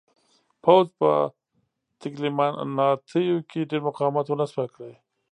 پوځ په تګلیامنیتو کې ډېر مقاومت ونه شوای کړای.